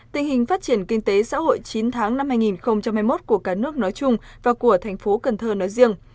tình hình phát triển kinh tế xã hội chín tháng năm hai nghìn hai mươi một của cả nước nói chung và của thành phố cần thơ nói riêng